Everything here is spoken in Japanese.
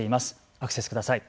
アクセスください。